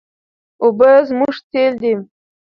اوبه زموږ تېل دي.